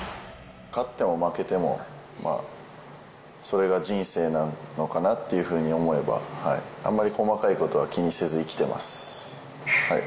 勝っても負けても、まあ、それが人生なのかなっていうふうに思えば、あんまり細かいことは気にせず生きてます。